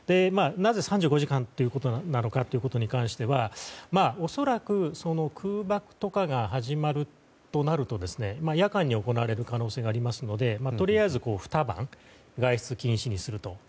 なぜ、３５時間ということなのかということに関しては恐らく空爆とかが始まるとなると夜間に行われる可能性がありますのでとりあえず二晩外出禁止にすると。